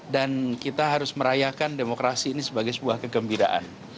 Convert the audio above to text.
dan kita harus merayakan demokrasi ini sebagai sebuah kegembiraan